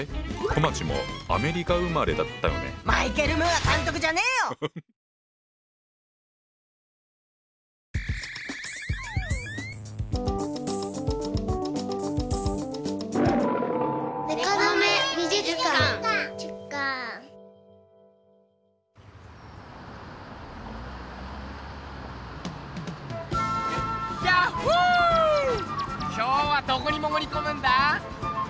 今日はどこにもぐりこむんだ？